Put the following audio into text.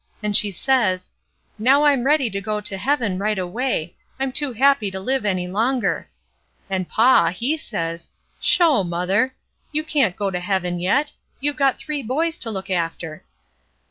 and she says, 'Now I'm ready to go to heaven right away; I'm too happy to live any longer !' And paw, he says, 'Sho, mother ! you can't go to heaven yet; you've got three boys to look after.